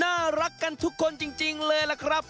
น่ารักกันทุกคนจริงเลยล่ะครับ